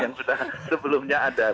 yang sudah sebelumnya ada